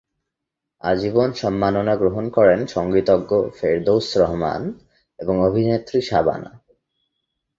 আজীবন সম্মাননা গ্রহণ করেন সঙ্গীতজ্ঞ ফেরদৌসী রহমান এবং অভিনেত্রী শাবানা।